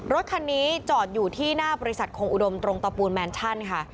รถคันนี้จอดอยู่ที่หน้าบริษัทคงอุดมตรงตะปูนแมนชั่นค่ะ